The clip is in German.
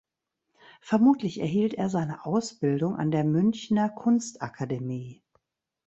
Vermutlich erhielt er seine Ausbildung an der Münchner Kunstakademie.